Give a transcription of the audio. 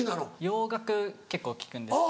洋楽結構聴くんですけど。